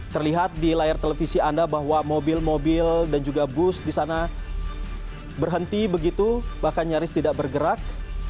terlihat di layar televisi anda bahwa mobil mobil dan juga bus di sana berhenti begitu bahkan nyaris tidak bergerak